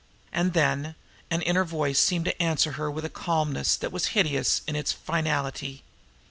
And then an inner voice seemed to answer her with a calmness that was hideous in its finality.